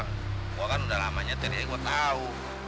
gue kan udah lama nyetir ya gue tau